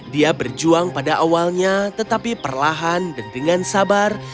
dia berjuang pada awalnya tetapi perlahan dan dengan sabar